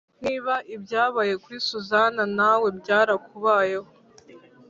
Niba ibyabaye kuri susan nawe byarakubayeho